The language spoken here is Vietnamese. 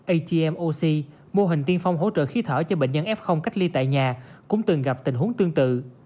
atmoc mô hình tiên phong hỗ trợ khí thở cho bệnh nhân f cách ly tại nhà cũng từng gặp tình huống tương tự